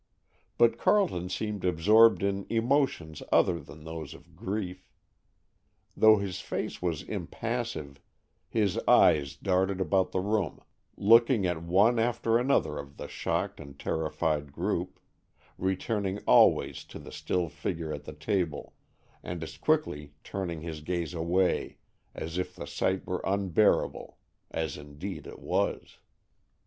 But Carleton seemed absorbed in emotions other than those of grief. Though his face was impassive, his eyes darted about the room looking at one after another of the shocked and terrified group, returning always to the still figure at the table, and as quickly turning his gaze away, as if the sight were unbearable, as indeed it was.